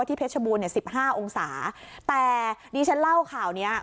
ว่าที่เพชรบูรณ์๑๕องศาแต่นี่ฉันเล่าข่าวนี้